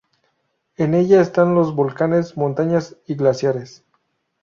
En ella están los volcanes, montañas y glaciares.